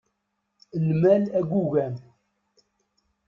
Lmal agugam!